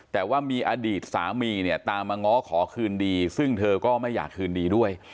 แต่ว่ามีอดีตสามีเนี่ยตามมาง้อขอคืนดีซึ่งเธอก็ไม่อยากคืนดีด้วย